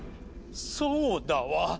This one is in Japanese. そうだわ。